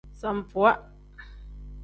Sambuwa.